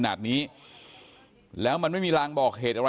ยายก็นั่งร้องไห้ลูบคลำลงศพตลอดเวลา